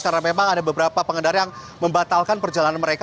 karena memang ada beberapa pengendara yang membatalkan perjalanan mereka